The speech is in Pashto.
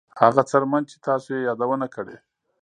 هغه څرمن چې تاسو یې یادونه کړې